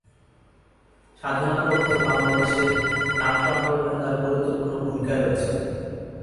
স্বাধীনতা উত্তর বাংলাদেশের নাট্য আন্দোলনে তার গুরুত্বপূর্ণ ভূমিকা রয়েছে।